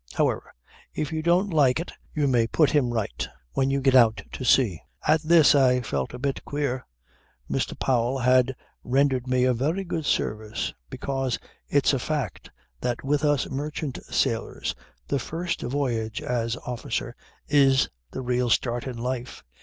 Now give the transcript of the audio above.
However, if you don't like it you may put him right when you get out to sea." At this I felt a bit queer. Mr. Powell had rendered me a very good service: because it's a fact that with us merchant sailors the first voyage as officer is the real start in life.